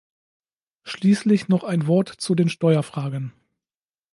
Schließlich noch ein Wort zu den Steuerfragen.